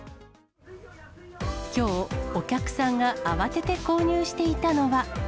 きょう、お客さんが慌てて購入していたのは。